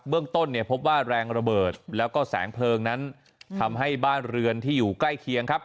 เรื่องต้นเนี่ยพบว่าแรงระเบิดแล้วก็แสงเพลิงนั้นทำให้บ้านเรือนที่อยู่ใกล้เคียงครับ